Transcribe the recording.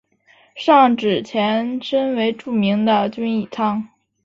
上址前身为著名的均益仓。